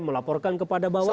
melaporkan kepada bawaslu